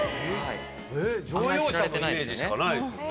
乗用車のイメージしかないですもんね。